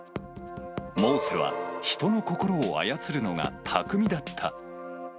モーセは人の心を操るのが巧みだった。